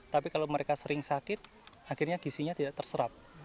tapi kalau mereka sering sakit akhirnya gisinya tidak terserap